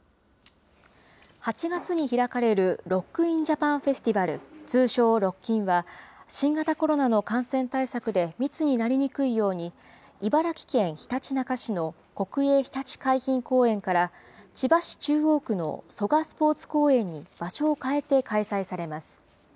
８月に開かれるロック・イン・ジャパン・フェスティバル、通称ロッキンは、新型コロナの感染対策で密になりにくいように、茨城県ひたちなか市の国営ひたち海浜公園から、千葉市中央区の蘇我スポーツ公園に場所を変えて開催されます。